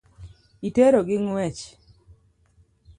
Itero gi ng'wech.